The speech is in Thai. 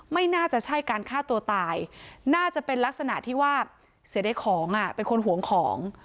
ไม่น่าจะใช่การฆ่าตัวตายน่าจะเป็นลักษณะที่ว่าเสียได้ของเป็นคนห่วงของ